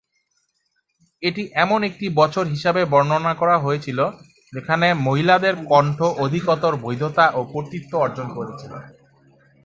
এটি এমন একটি বছর হিসাবে বর্ণনা করা হয়েছিল, যেখানে মহিলাদের কণ্ঠ অধিকতর বৈধতা ও কর্তৃত্ব অর্জন করেছিল।